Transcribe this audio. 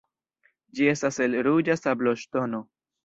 Ĝi estas el ruĝa sabloŝtono.